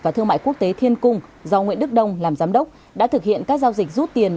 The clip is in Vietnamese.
và thương mại quốc tế thiên cung do nguyễn đức đông làm giám đốc đã thực hiện các giao dịch rút tiền